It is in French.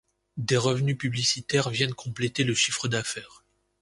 Des revenus publicitaires viennent compléter le chiffre d'affaires.